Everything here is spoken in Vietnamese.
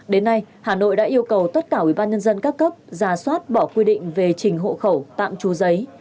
đến nay hà nội đã yêu cầu tất cả ủy ban nhân dân các cấp giả soát bỏ quy định về trình hộ khẩu tạm trú giấy